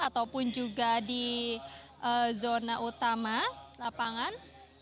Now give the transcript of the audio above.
ataupun juga di zona utama lapangan